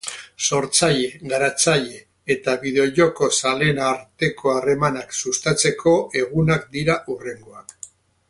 sortzaile, garatzaile eta bideojoko zaleen arteko harremanak sustatzeko egunak dira hurrengoak